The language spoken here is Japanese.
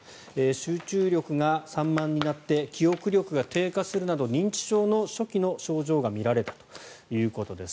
集中力が散漫になって記憶力が低下するなど認知症の初期の症状が見られたということです。